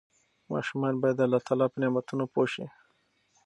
ماشومان باید د الله تعالی په نعمتونو پوه شي.